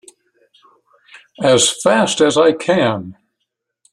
As fast as I can!